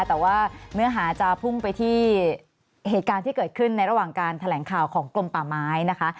แต่ว่าเนื้อหาจะพุ่งไปที่เหตุการณ์ที่เกิดขึ้นในระหว่างการแถลงข่าวของกลมป่าไม้นะคะ